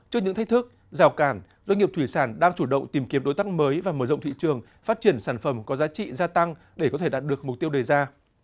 trước những thách thức rào cản doanh nghiệp thủy sản đang chủ động tìm kiếm đối tác mới và mở rộng thị trường phát triển sản phẩm có giá trị gia tăng để có thể đạt được mục tiêu đề ra